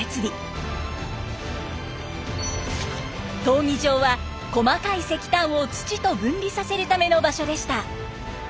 闘技場は細かい石炭を土と分離させるための場所でした。